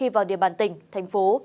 vào địa bàn tỉnh thành phố